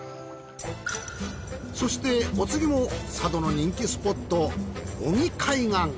そしてお次も佐渡の人気スポット小木海岸。